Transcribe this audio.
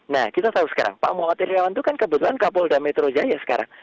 nah kita tahu sekarang pak muhammad iryawan itu kan kebetulan kapolda metro jaya sekarang